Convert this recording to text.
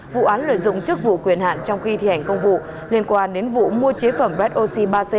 vụ án lợi dụng chức vụ quyền hạn trong khi thi hành công vụ liên quan đến vụ mua chế phẩm red oxy ba c